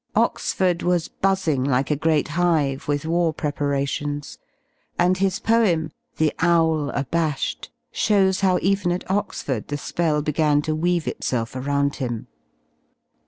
Oxford was buzzmg like a great hive with war preparations y and his poem^ ''''The Owl Jbashed^"^ shows how even at Oxford the spell began to weave itself around him.